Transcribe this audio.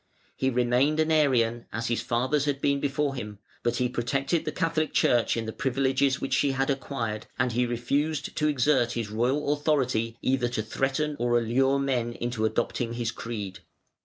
He remained an Arian, as his fathers had been before him, but he protected the Catholic Church in the privileges which she had acquired, and he refused to exert his royal authority to either threaten or allure men into adopting his creed.